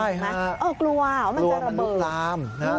ใช่ฮะกลัวเหรอมันจะระเบิดโอ้โหกลัวมันลุกลาม